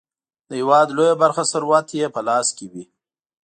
د هیواد لویه برخه ثروت یې په لاس کې وي.